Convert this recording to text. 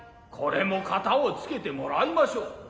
これも片を付けてもらいましょう。